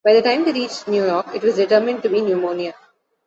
By the time they reached New York, it was determined to be pneumonia.